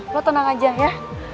lo tenang aja ya